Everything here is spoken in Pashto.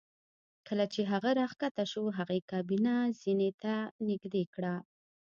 کله چې هغه راښکته شو هغې کابینه زینې ته نږدې کړه